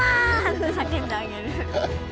ってさけんであげる。